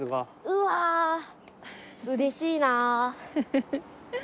うわうれしいな。